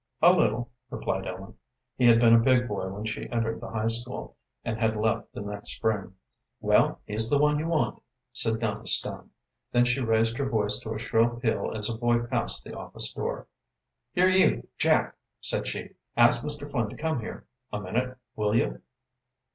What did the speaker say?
"A little," replied Ellen. He had been a big boy when she entered the high school, and had left the next spring. "Well, he's the one you want," said Nellie Stone. Then she raised her voice to a shrill peal as a boy passed the office door. "Here, you, Jack," said she, "ask Mr. Flynn to come here a minute, will you?"